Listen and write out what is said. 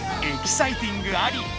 エキサイティングあり。